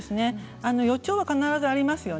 予兆は必ずあります。